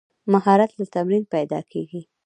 مهارت له تمرین پیدا کېږي.